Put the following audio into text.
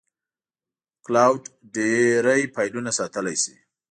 کلاوډ ډېری فایلونه ساتلی شي.